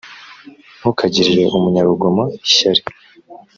ntukagirire umunyarugomo ishyari,